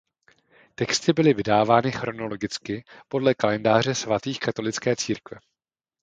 Texty byly vydávány chronologicky podle kalendáře svatých katolické církve.